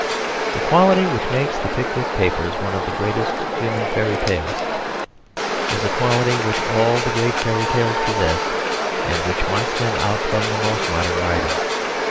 The quality which makes the Pickwick Papers one of the greatest of human fairy tales is a quality which all the great fairy tales possess, and which marks them out from most modern writing.